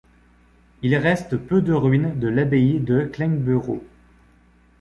Il reste peu de ruines de l'abbaye de Kleinburo.